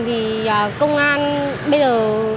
thì công an bây giờ